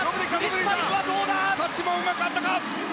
タッチもうまく合ったか？